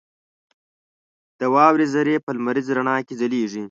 • د واورې ذرې په لمریز رڼا کې ځلېږي.